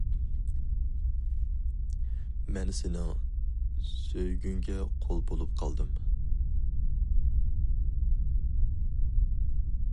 مەن سېنىڭ سۆيگۈڭگە قۇل بولۇپ قالدىم.